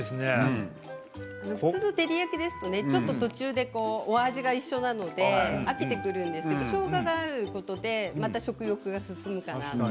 普通の照り焼きですとお味が一緒なので飽きてくるんですけどしょうががあることでまた食欲が進むかなと。